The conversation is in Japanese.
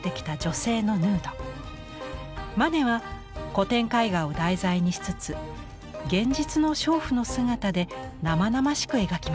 マネは古典絵画を題材にしつつ現実の娼婦の姿で生々しく描きました。